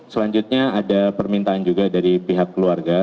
selanjutnya ada permintaan juga dari pihak keluarga